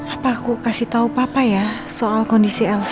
apa aku kasih tahu papa ya soal kondisi elsa